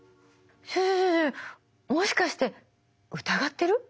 ちょちょもしかして疑ってる？